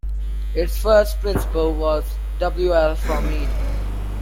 Its first principal was W. L. Fromein.